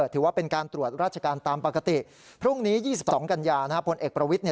ถือว่าเป็นการตรวจราชการตามปกติพรุ่งนี้๒๒กันยาพลเอกประวิทธิ